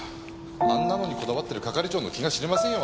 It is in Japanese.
あんなのにこだわってる係長の気が知れませんよ